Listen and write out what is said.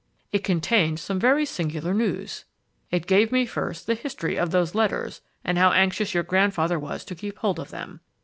It contained some very singular news. "It gave me first the history of those letters and how anxious your grandfather was to keep hold of them.